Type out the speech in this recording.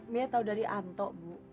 mia tahu dari anto bu